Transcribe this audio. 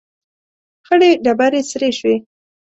، خړې ډبرې سرې شوې.